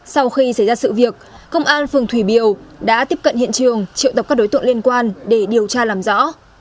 sau khi xảy ra sự việc công an phường thủy biều đã tiếp cận hiện trường triệu tập các đối tượng liên quan để điều tra làm rõ